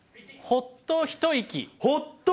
ほっと一息。